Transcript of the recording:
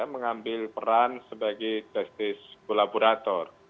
mengambil peran sebagai justice collaborator